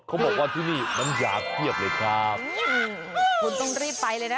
เขาบอกว่าที่นี่น้ำยาเพียบเลยครับคุณต้องรีบไปเลยนะ